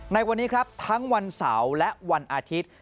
ในวันนี้ครับทั้งวันเสาร์และวันอาทิตย์